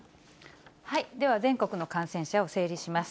では全国の感染者を整理します。